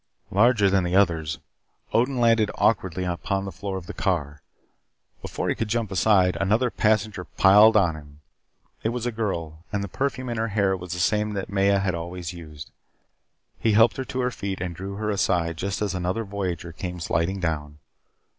Larger than the others, Odin landed awkwardly upon the floor of the car. Before he could jump aside, another passenger piled upon him. It was a girl, and the perfume in her hair was the same that Maya had always used. He helped her to her feet and drew her aside just as another voyager came sliding down.